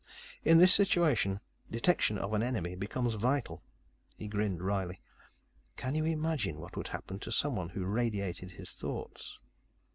In this situation, detection of an enemy becomes vital." He grinned wryly. "Can you imagine what would happen to someone who radiated his thoughts?"